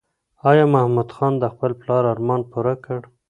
ایا محمود خان د خپل پلار ارمان پوره کړ؟